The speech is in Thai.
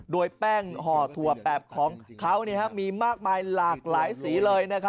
โดยแป้งห่อถั่วแบบของเขามีมากมายหลากหลายสีเลย